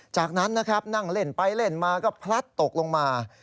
จากนั้นนะครับนั่งเล่นไปเล่นมาก็พลัดตกลงมา